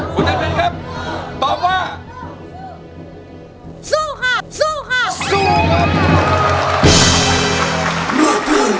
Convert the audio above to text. คุณจันเป็นครับบอกว่าสู้ค่ะสู้ค่ะ